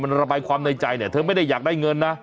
มันระบายความในใจเนี่ยเธอไม่ได้อยากได้เงินนะ